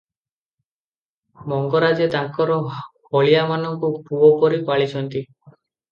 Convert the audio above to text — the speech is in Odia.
ମଙ୍ଗରାଜେ ତାଙ୍କର ହଳିଆ ମାନଙ୍କୁ ପୁଅ ପରି ପାଳିଛନ୍ତି ।